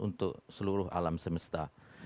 untuk seluruh alam semesta